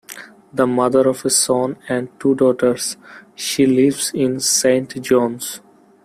The mother of a son and two daughters, she lives in Saint John's.